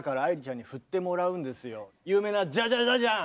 いやだから有名な「ジャジャジャジャン」！